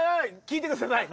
聞いてください。